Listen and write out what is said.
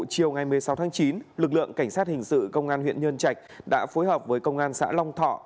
chiều ngày một mươi sáu tháng chín lực lượng cảnh sát hình sự công an huyện nhân trạch đã phối hợp với công an xã long thọ